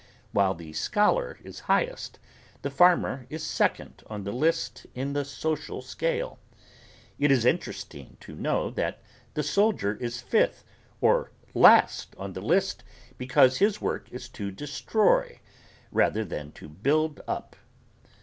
While the scholar is highest, the farmer is second on the list in the social scale. It is interesting to know that the soldier is fifth or last on the list because his work is to destroy rather than to build up.